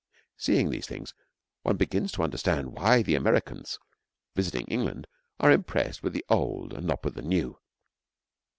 Seeing these things, one begins to understand why the Americans visiting England are impressed with the old and not with the new.